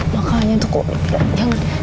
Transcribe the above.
makanya tuh kok jauh